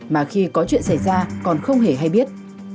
mà khi có chuyện xảy ra còn không hề hay biết